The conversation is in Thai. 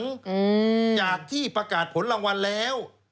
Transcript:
อืมจากที่ประกาศผลรางวัลแล้ว